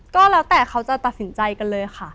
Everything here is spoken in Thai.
ก็แล้วแต่เขาจะตัดสินใจกันเลยค่ะ